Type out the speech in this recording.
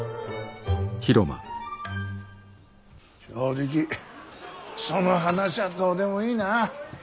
正直その話はどうでもいいなあ。